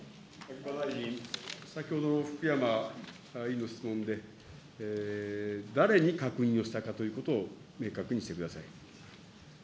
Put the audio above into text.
先ほど福山委員の質問で、誰に確認をしたかということを、明確にしてください。